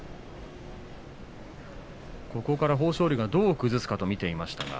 ここから豊昇龍がどう崩すかと見ていましたが。